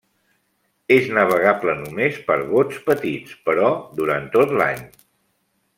És navegable només per bots petits, però durant tot l'any.